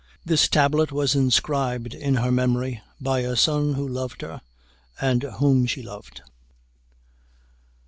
This tablet was inscribed to her memory by a son who loved her, and whom she loved."